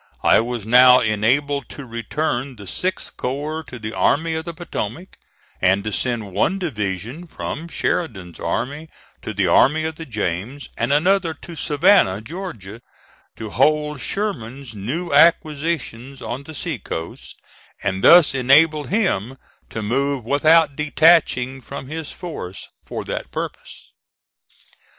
I was now enabled to return the 6th corps to the Army of the Potomac, and to send one division from Sheridan's army to the Army of the James, and another to Savannah, Georgia, to hold Sherman's new acquisitions on the sea coast, and thus enable him to move without detaching from his force for that purpose.